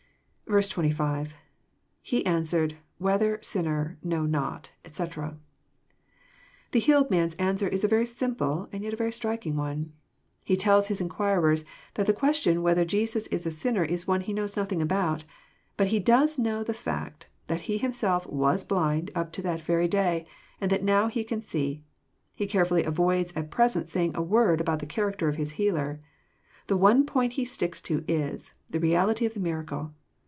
'* 25. — IHe answered.., lohether.,. sinner,,. know noU etc,'\ The healed man's answer is a very simple, and yet very striking one. He tells his inquirers that the question whether Jesus Is a sinner is one he knows nothing about. But he does know the fact, that he himself was blind up to that very day, and that now he can see. He carefully avoids at present saying a word about ;the character of his Healer. The one point he sticks to is, the /reality of the miracle.